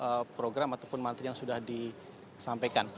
tiap tiap program ataupun matri yang sudah disampaikan